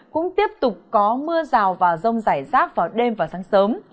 cũng tiếp tục có mưa rào và rông rải rác vào đêm và sáng sớm